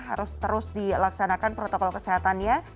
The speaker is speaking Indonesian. harus terus dilaksanakan protokol kesehatannya